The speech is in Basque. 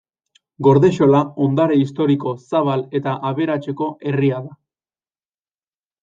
Gordexola ondare historiko zabal eta aberatseko herria da.